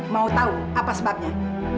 mau tahu apa sebabnya